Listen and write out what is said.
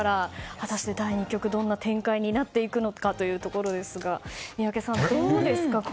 果たして第２局はどんな展開になっていくのかというところですが宮家さん、どうですか？